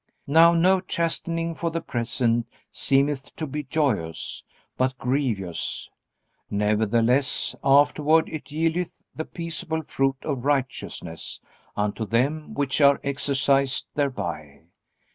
"Now no chastening for the present seemeth to be joyous, but grievous; nevertheless, afterward it yieldeth the peaceable fruit of righteousness unto them which are exercised thereby."